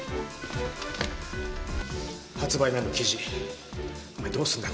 発売前の記事お前どうするんだ？